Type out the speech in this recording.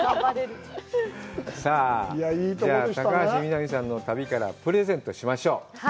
さあ、じゃあ高橋みなみさんの旅からプレゼントしましょう。